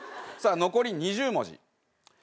さあ残り２０文字。